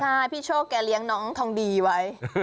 ใช่พี่โชคแกเลี้ยงน้องทองดีไว้